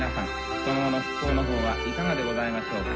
その後の復興の方はいかがでございましょうか？